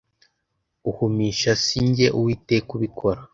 uhumisha si jye uwiteka ubikora